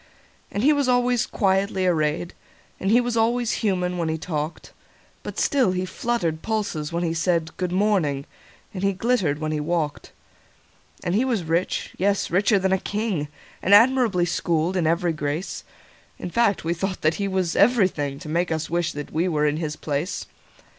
And he was always quietly arrayed, And he was always human when he talked; But still he fluttered pulses when he said,"Good morning," and he glittered when he walked. And he was rich—yes, richer than a king—And admirably schooled in every grace:In fine, we thought that he was everythingTo make us wish that we were in his place.